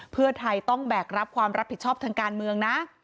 เพื่อไทยต้องแบกรับความรับผิดชอบทางการเมืองนะ